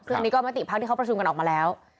เรื่องนี้ก็มติพักที่เขาประชุมกันออกมาแล้ว